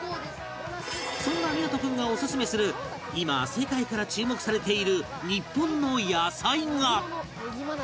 そんな湊君がオススメする今世界から注目されている日本の野菜が